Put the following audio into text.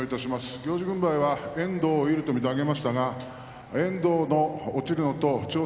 行司軍配は遠藤有利と見て上げましたが遠藤の落ちるのと千代翔